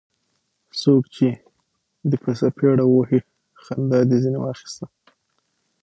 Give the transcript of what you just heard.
څوک چي دي په څپېړه ووهي؛ خندا دي ځني واخسته.